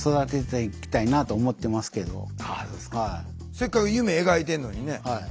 せっかく夢描いてんのにね。